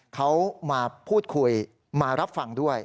เขามาพูดคุยมารับฟังด้วย